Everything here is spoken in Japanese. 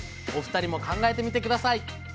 お二人も考えてみて下さい！